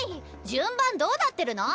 順番どうなってるの⁉